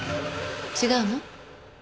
違うの？